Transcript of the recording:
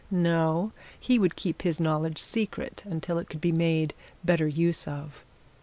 No he would keep his knowledge secret until it could be made better use of.